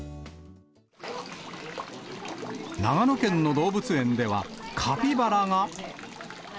長野県の動物園では、カピバラが。